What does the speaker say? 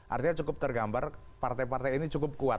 artinya cukup tergambar partai partai ini cukup kuat